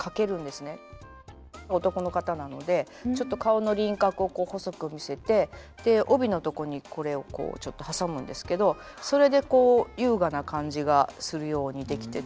男の方なのでちょっと顔の輪郭を細く見せて帯のとこにこれをちょっと挟むんですけどそれでこう優雅な感じがするように出来てて。